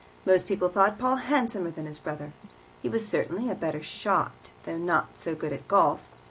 Most people thought Paul handsomer than his brother. He was certainly a better shot, though not so good at golf.